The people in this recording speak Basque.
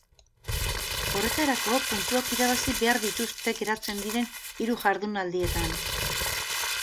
Horretarako, puntuak irabazi behar dituzte geratzen diren hiru jardunaldietan.